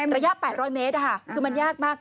ระยะ๘๐๐เมตรคือมันยากมาก